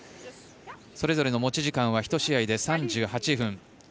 それぞれの持ち時間は１試合で３８分。